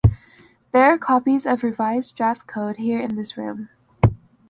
There are copies of revised draft code here in this room.